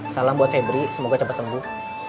salam buat febri semoga cepat sembuh